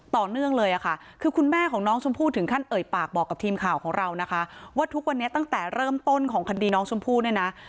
ต่อเนื่องเลยค่ะคือคุณแม่ของน้องชมพู่ถึงขั้นเอ่ยปากบอกกับทีมข่าวของเรานะคะว่าทุกวันนี้ตั้งแต่เริ่มต้นของคดีน้องชมพู่เนี่ยนะ